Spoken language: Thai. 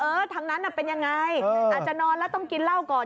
ทางนั้นน่ะเป็นยังไงอาจจะนอนแล้วต้องกินเหล้าก่อน